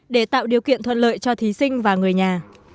để tạo điều kiện thuận lợi cho thí sinh và người nhà